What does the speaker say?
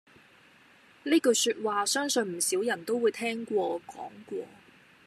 呢句說話相信唔少人都會聽過講過